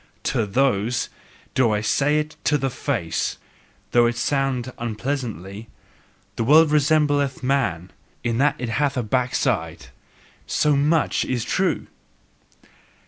TO THOSE do I say it to the face, although it sound unpleasantly: the world resembleth man, in that it hath a backside, SO MUCH is true!